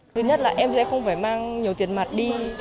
thứ nhất là em sẽ không phải mang nhiều tiền mặt đi